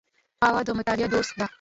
قهوه د مطالعې دوست ده